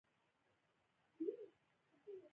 ایا ستاسو باغ مېوه نه ده نیولې؟